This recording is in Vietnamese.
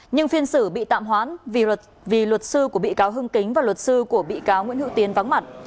nhưng phiên xử bị tạm hoãn vì luật sư của bị cáo hưng kính và luật sư của bị cáo nguyễn hữu tiến vắng mặt